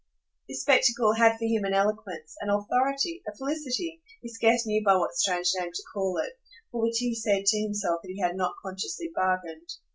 This spectacle had for him an eloquence, an authority, a felicity he scarce knew by what strange name to call it for which he said to himself that he had not consciously bargained.